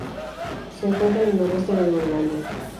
Se encuentra en el noreste de Groenlandia.